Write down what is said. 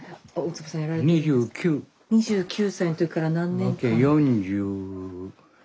２９歳の時から何年間。